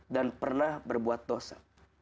dan pernah berbuat dosa